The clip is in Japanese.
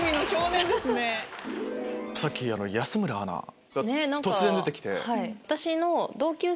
さっき安村アナが突然出てきて。